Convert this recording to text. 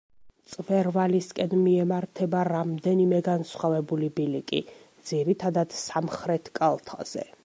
მწვერვალისკენ მიემართება რამდენიმე განსხვავებული ბილიკი, ძირითადად სამხრეთ კალთაზე.